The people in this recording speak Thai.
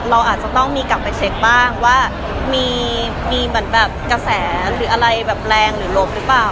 เราอาจจะต้องมีกลับไปเช็คบ้างว่ามีแบบเกษลอะไรแบบแรงหรือลบหรือเปล่า